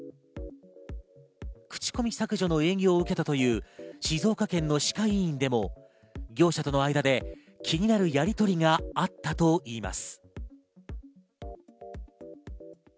口コミ削除の営業を受けたという静岡県の歯科医院でも業者との間で気になるやりとりがあったといいます。